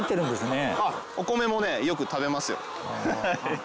お米もねよく食べますよ。